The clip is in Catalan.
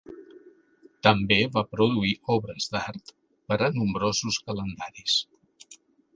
També va produir obres d'art per a nombrosos calendaris.